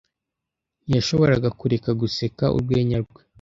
Ntiyashoboraga kureka guseka urwenya rwe.